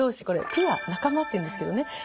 これピア仲間っていうんですけどね